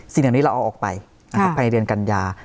สิ่งเหล่านี้เราเอาออกไปภายในเดือนกัญญา